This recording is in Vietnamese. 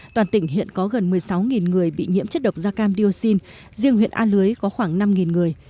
toàn tỉnh hiện có gần một mươi sáu người bị nhiễm chất độc da cam dioxin riêng huyện a lưới có khoảng năm người